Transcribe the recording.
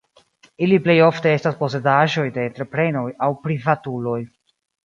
Ili plej ofte estas posedaĵoj de entreprenoj aŭ privatuloj.